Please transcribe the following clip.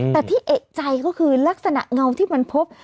แต่ที่เอกใจก็คือลักษณะเงาที่มันพบ